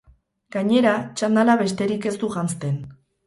Gainera, txandala besterik ez du janzten.